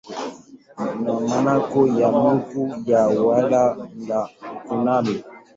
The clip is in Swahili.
na makao makuu ya Wilaya ya Mkoani.